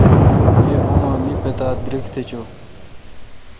یہ اما می پتا دریگ چو۔